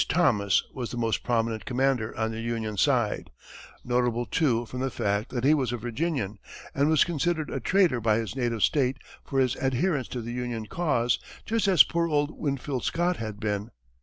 Thomas was the most prominent commander on the Union side; notable, too, from the fact that he was a Virginian, and was considered a traitor by his native state for his adherence to the Union cause, just as poor old Winfield Scott had been.